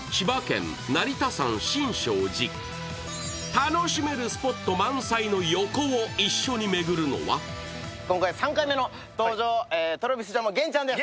楽しめるスポット満載の「横」を一緒に巡るのは今回３回目の登場、ＴｒａｖｉｓＪａｐａｎのげんちゃんです。